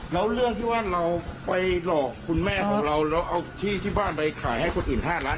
แล้วเรื่องที่ว่าเราไปหลอกคุณแม่ของเราแล้วเอาที่ที่บ้านไปขายให้คนอื่น๕ล้าน